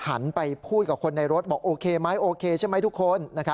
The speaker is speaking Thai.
หันไปพูดกับคนในรถบอกโอเคไหมโอเคใช่ไหมทุกคน